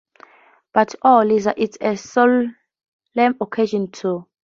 But oh, Liza, it’s a solemn occasion too.